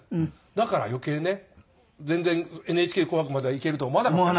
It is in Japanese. だから余計ね全然ＮＨＫの『紅白』までは行けると思わなかったね。